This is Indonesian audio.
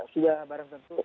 sudah barang tentu